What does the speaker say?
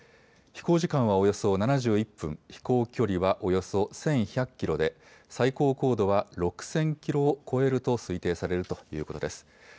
飛行時間はおよそ７１分、飛行距離はおよそ１１００キロで、最高高度は６０００キロを超えると推定されるということです。